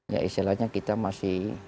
ya istilahnya kita masih